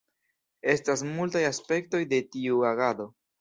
Estas multaj aspektoj de tiu agado.